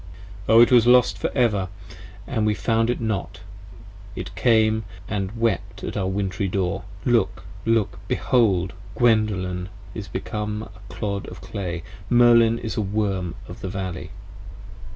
O it was lost for ever! and we found it not: it came And wept at our wintry Door: Look! look! behold! Gwendolen Is become a Clod of Clay! Merlin is a Worm of the Valley!